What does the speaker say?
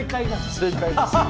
正解です。